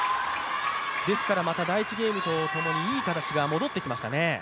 ですからまた第１ゲームともにいい形が戻ってきましたね。